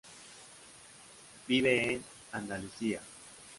Vive en Andalucía.